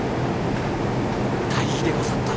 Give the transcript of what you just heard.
大儀でござった。